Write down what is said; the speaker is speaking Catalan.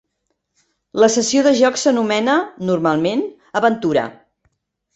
La sessió de jocs s'anomena, normalment, aventura.